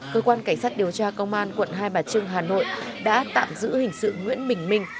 cơ quan cảnh sát điều tra công an quận hai bà trưng hà nội đã tạm giữ hình sự nguyễn bình minh